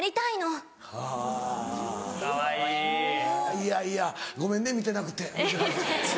いやいやごめんね見てなくて申し訳ない。